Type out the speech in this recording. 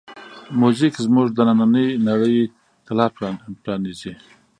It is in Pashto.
موزیک زمونږ دنننۍ نړۍ ته لاره پرانیزي.